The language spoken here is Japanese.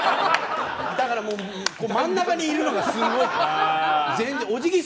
だから、真ん中にいるのがすごい。